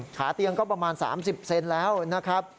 ขาเตียงก็ประมาณ๓๐เซนแล้วนะครับ